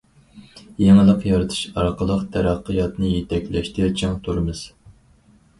يېڭىلىق يارىتىش ئارقىلىق تەرەققىياتنى يېتەكلەشتە چىڭ تۇرىمىز.